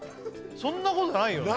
そんなことないよね